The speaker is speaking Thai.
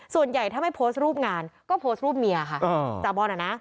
ส่วนใหญ่ถ้าไม่โพสต์รูปงานก็โพสต์รูปเมียค่ะจ่าบอลอ่ะนะ